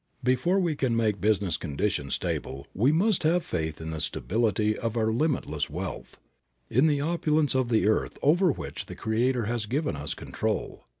Before we can make business conditions stable we must have faith in the stability of our limitless wealth, in the opulence of the earth over which the Creator has given us control.